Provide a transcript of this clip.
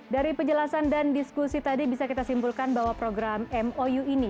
dari penjelasan dan diskusi tadi bisa kita simpulkan bahwa program mou ini